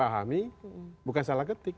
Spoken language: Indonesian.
dipahami bukan salah ketik